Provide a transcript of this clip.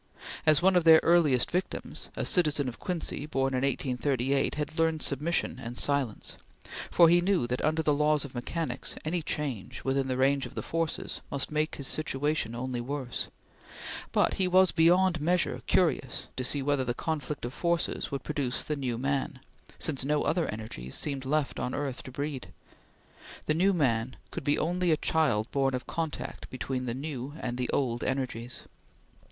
As one of their earliest victims, a citizen of Quincy, born in 1838, had learned submission and silence, for he knew that, under the laws of mechanics, any change, within the range of the forces, must make his situation only worse; but he was beyond measure curious to see whether the conflict of forces would produce the new man, since no other energies seemed left on earth to breed. The new man could be only a child born of contact between the new and the old energies.